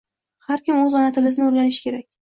Har kim oʻz ona tilisini oʻrganishi kerak